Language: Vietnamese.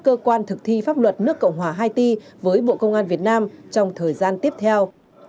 cơ quan thực thi pháp luật nước cộng hòa haiti với bộ công an việt nam trong thời gian tiếp theo